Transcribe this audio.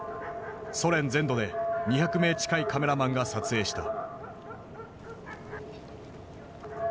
ソ連全土で２００名近いカメラマンが撮影した。